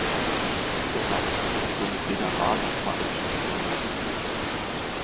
Dieser Satz ist somit weder wahr noch falsch, sondern sinnlos.